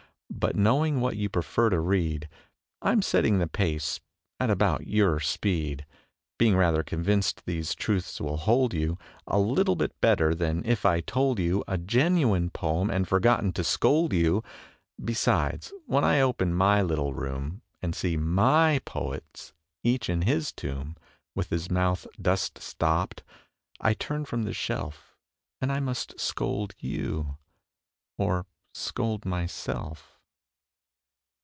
But knowing what you prefer to read I'm setting the pace at about your speed, Being rather convinced these truths will hold you A little bit better than if I'd told you A genuine poem and forgotten to scold you. Besides, when I open my little room And see my poets, each in his tomb, With his mouth dust stopped, I turn from the shelf And I must scold you, or scold myself.